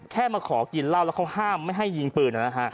มาขอกินเหล้าแล้วเขาห้ามไม่ให้ยิงปืน